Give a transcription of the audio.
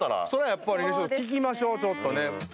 やっぱり聞きましょうちょっとね